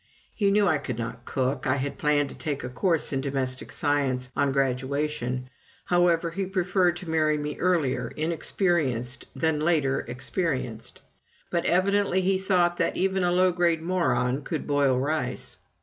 He knew I could not cook I had planned to take a course in Domestic Science on graduation; however, he preferred to marry me earlier, inexperienced, than later, experienced. But evidently he thought even a low grade moron could boil rice.